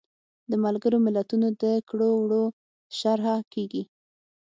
د ملګرو ملتونو د کړو وړو شرحه کیږي.